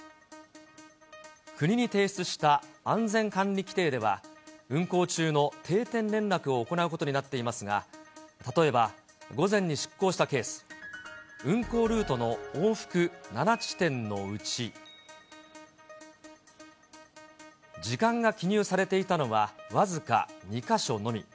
国に提出した安全管理規程では、運航中の定点連絡を行うことになっていますが、例えば午前に出航したケース、運航ルートの往復７地点のうち、時間が記入されていたのは、僅か２か所のみ。